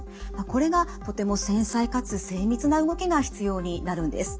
これがとても繊細かつ精密な動きが必要になるんです。